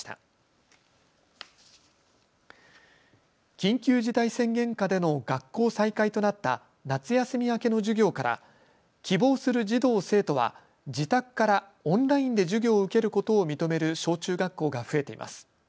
緊急事態宣言下での学校再開となった夏休み明けの授業から希望する児童生徒は自宅からオンラインで授業を受けることを認める小中学校が増えています。